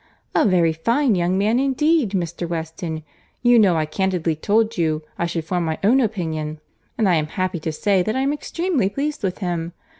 "A very fine young man indeed, Mr. Weston. You know I candidly told you I should form my own opinion; and I am happy to say that I am extremely pleased with him.